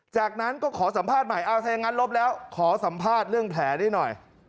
จากนั้นก็ขอสัมภาษณ์ใหม่เอาถ้าอย่างนั้นลบแล้วขอสัมภาษณ์เรื่องแผลได้หน่อย